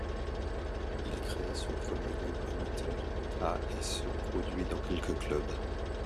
Il crée son premier groupe amateur à et se produit dans quelques clubs.